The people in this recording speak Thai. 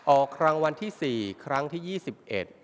ออกรางวัลที่สี่ครั้งที่ยี่สิบเอ็ด